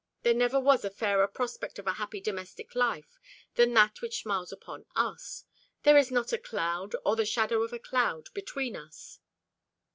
There never was a fairer prospect of a happy domestic life than that which smiles upon us. There is not a cloud, or the shadow of a cloud, between us."